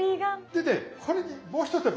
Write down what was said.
でねこれにもう一手間。